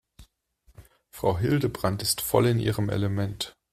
Frau Hildebrand ist voll in ihrem Element.